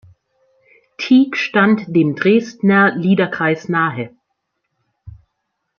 Tieck stand dem Dresdner Liederkreis nahe.